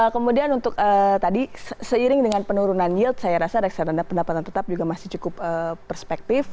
kemudian untuk tadi seiring dengan penurunan yield saya rasa reksadana pendapatan tetap juga masih cukup perspektif